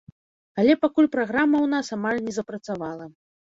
Але пакуль праграма ў нас амаль не запрацавала.